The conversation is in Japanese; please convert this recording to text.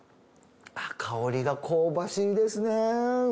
香りが香ばしいですね。